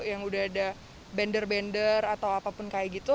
yang udah ada bander bender atau apapun kayak gitu